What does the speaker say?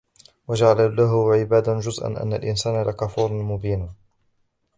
وَجَعَلُوا لَهُ مِنْ عِبَادِهِ جُزْءًا إِنَّ الْإِنْسَانَ لَكَفُورٌ مُبِينٌ